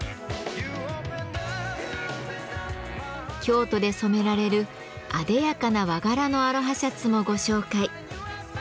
京都で染められるあでやかな和柄のアロハシャツもご紹介。